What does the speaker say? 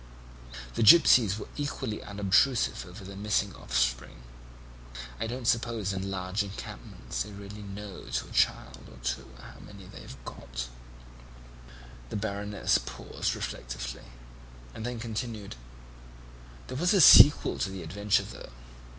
The gipsies were equally unobtrusive over their missing offspring; I don't suppose in large encampments they really know to a child or two how many they've got." The Baroness paused reflectively, and then continued: "There was a sequel to the adventure, though.